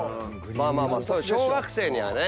まあまあ小学生にはね。